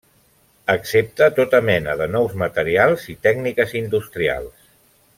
Accepta tota mena de nous materials i tècniques industrials.